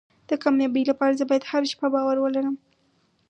د کامیابۍ لپاره زه باید هره شپه باور ولرم.